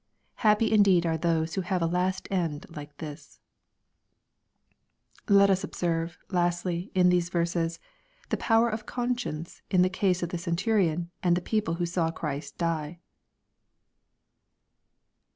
Happy indeed are those who have a last end like this I Let us ob8erve, lastly, in these verses, the power ofconr science in the case of the centurion and the people who saw Christ die.